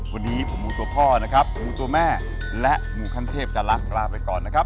วันนี้ผมหมูตัวพ่อนะครับหมูตัวแม่และหมูขั้นเทพจะรักลาไปก่อนนะครับ